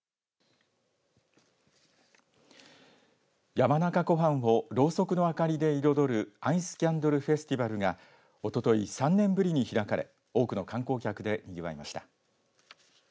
山中湖畔をろうそくの明かりで彩るアイスキャンドルフェスティバルがおととい３年ぶりに開かれ多くの観光客でにぎわいました。